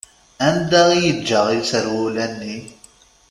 Anda i yeǧǧa iserwula-nni?